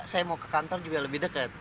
saya mau ke kantor juga lebih dekat